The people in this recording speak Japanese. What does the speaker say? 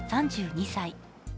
３２歳。